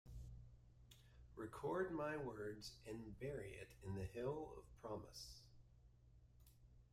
Record my words, and bury it in the Hill of Promise.